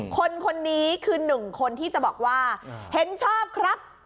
คนนี้คือหนึ่งคนที่จะบอกว่าเห็นชอบครับ